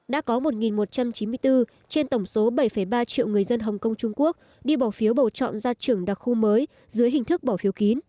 đã có một một trăm chín mươi bốn trên tổng số bảy ba triệu người dân hồng kông trung quốc đi bỏ phiếu bầu chọn ra trưởng đặc khu mới dưới hình thức bỏ phiếu kín